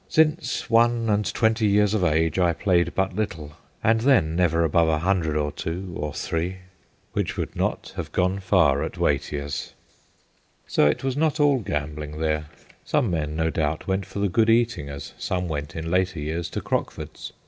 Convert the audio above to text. ... Since one and twenty years of age, I played but little, and then never above a hundred or two, or three/ which would not have gone far at Watier's. So it was not all gambling there ; some 52 THE GHOSTS OF PICCADILLY men, no doubt, went for the good eating as some went in later years to Crockford's.